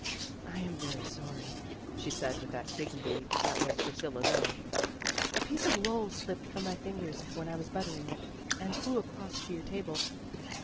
"I am very sorry," she said with that dignity that was Priscilla 's own. "A piece of roll slipped from my fingers when I was buttering it, and flew across to your table.